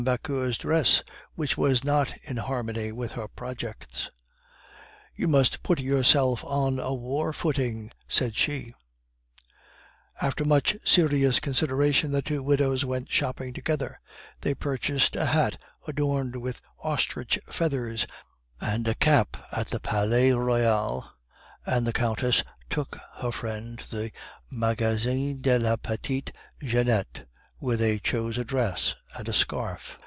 Vauquer's dress, which was not in harmony with her projects. "You must put yourself on a war footing," said she. After much serious consideration the two widows went shopping together they purchased a hat adorned with ostrich feathers and a cap at the Palais Royal, and the Countess took her friend to the Magasin de la Petite Jeannette, where they chose a dress and a scarf.